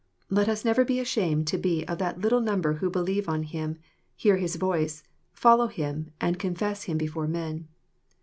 Let us never be ashamed to be of that little number who believe on Him, hear His voice, follow Him, and confess Him before men.